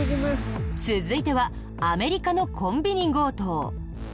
続いてはアメリカのコンビニ強盗。